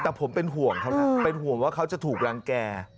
แต่ผมเป็นห่วงเขานะเป็นห่วงว่าเขาจะถูกรังแก่